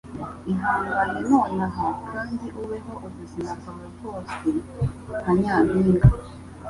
Ihangane nonaha kandi ubeho ubuzima bwawe bwose nka nyampinga.